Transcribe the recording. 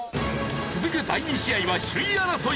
続く第２試合は首位争い。